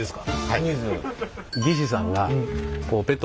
はい。